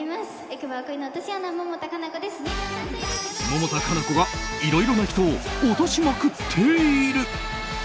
百田夏菜子がいろいろな人を落としまくっている。